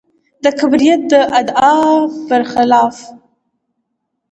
د کبریت د ادعا برخلاف.